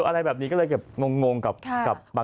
อะไรแบบนี้ก็เลยเกือบงงกับ